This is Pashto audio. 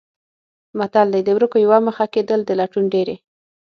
متل دی: د ورکو یوه مخه کېدل د لټون ډېرې.